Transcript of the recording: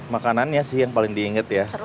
makanannya sih yang paling diinget ya